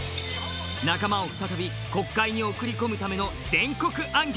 仲間を再び国会に送り込むための全国行脚。